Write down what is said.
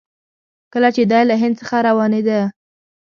کله چې دی له هند څخه روانېده.